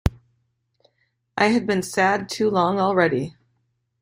I had been sad too long already.